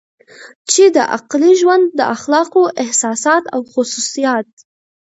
چې د عقلې ژوند د اخلاقو احساسات او خصوصیات